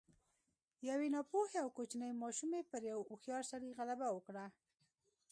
يوې ناپوهې او کوچنۍ ماشومې پر يوه هوښيار سړي غلبه وکړه.